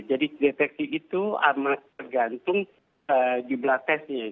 jadi deteksi itu tergantung jumlah tesnya